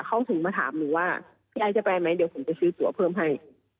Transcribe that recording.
เขาถึงมาถามหนูว่าพี่ไอ้จะไปไหมเดี๋ยวผมจะซื้อตัวเพิ่มให้